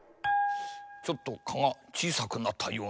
ちょっと蚊がちいさくなったような。